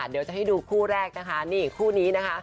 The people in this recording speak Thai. เดี๋ยวจะให้ดูคู่แรกนะคะนี่คู่นี้นะคะ